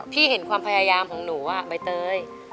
เห็นความพยายามของหนูใบเตย